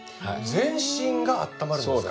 全身があったまるんですか？